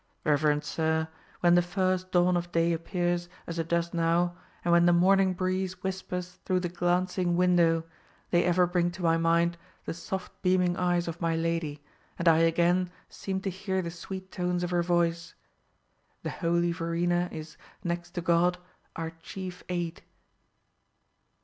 "Reverend sir, when the first dawn of day appears, as it does now, and when the morning breeze whispers through the glancing window, they ever bring to my mind the soft beaming eyes of my lady, and I again seem to hear the sweet tones of her voice. The holy Verena is, next to God, our chief aid."